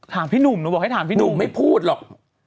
ถามพี่หนุ่มหนุ่มไม่พูดหรอก